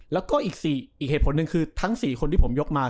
แล้วก็อีกเหตุผลหนึ่งคือทั้ง๔คนที่ผมยกมา